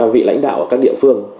vị lãnh đạo các địa phương